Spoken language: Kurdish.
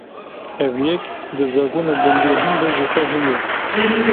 Ev yek, di zagona bingehîn de jixwe heye